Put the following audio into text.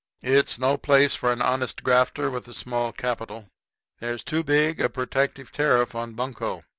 It's no place for an honest grafter with a small capital. There's too big a protective tariff on bunco.